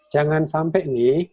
jangan sampai ini